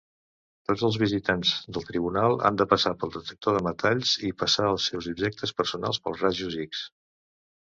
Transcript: Tots els visitants del tribunal han de passar per detectors de metall i passar els seus objectes personals pels rajos X.